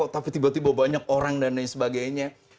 tapi tiba tiba banyak orang dan lain sebagainya